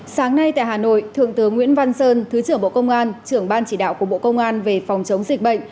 sáng nay tại hà nội thượng tướng nguyễn văn sơn thứ trưởng bộ công an trưởng ban chỉ đạo của bộ công an về phòng chống dịch bệnh